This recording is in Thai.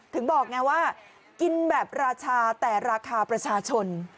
ถึงบอกไงว่ากินแบบราชาแต่ราคาประชาชน